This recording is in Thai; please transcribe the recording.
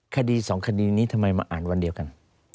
คดีสองคดีนี้ทำไมมาอ่านวันเดียวกัน